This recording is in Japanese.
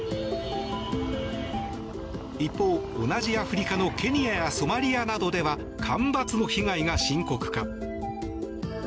一方、同じアフリカのケニアやソマリアなどでは干ばつの被害が深刻化。